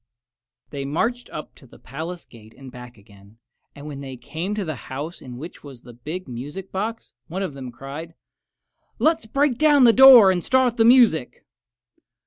They marched up to the palace gate and back again, and when they came to the house in which was the big music box, one of the cried, "Let us break the door down and start the music!"